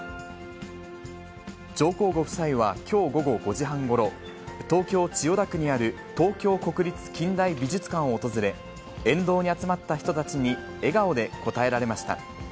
上皇ご夫妻はきょう午後５時半ごろ、東京・千代田区にある東京国立近代美術館を訪れ、沿道に集まった人たちに笑顔で応えられました。